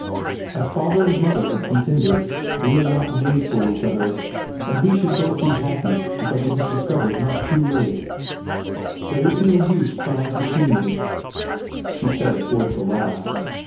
As father and mother have contended, we were not made for each other, and we should both be happy because it was discovered not too late." .. "There is no use trying to see me," she said toward the last.